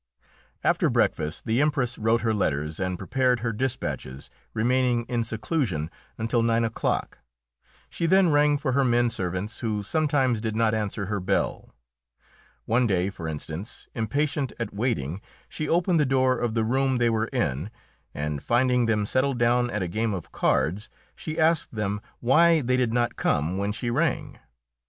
After breakfast the Empress wrote her letters and prepared her despatches, remaining in seclusion until nine o'clock. She then rang for her men servants, who sometimes did not answer her bell. One day, for instance, impatient at waiting, she opened the door of the room they were in, and, finding them settled down at a game of cards, she asked them why they did not come when she rang.